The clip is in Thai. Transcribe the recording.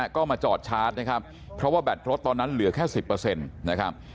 ก็มาจอดชาร์จนะครับเพราะว่าแบตรถตอนนั้นเหลือแค่๑๐นะครับ